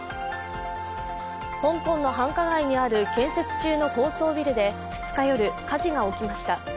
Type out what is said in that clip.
香港の繁華街にある建設中の高層ビルで２日夜、火事が起きました。